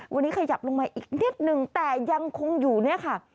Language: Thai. วันนี้ขยับลงมาอีกนิดนึงแต่ยังคงอยู่เนี่ยค่ะ